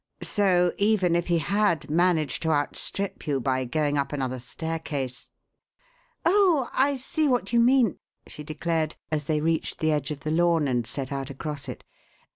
So even if he had managed to outstrip you by going up another staircase " "Oh, I see what you mean!" she declared, as they reached the edge of the lawn and set out across it.